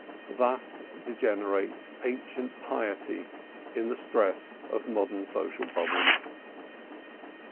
Thus degenerates ancient piety in the stress of modern social problems.